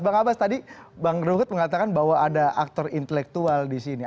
bang abbas tadi bang ruhut mengatakan bahwa ada aktor intelektual di sini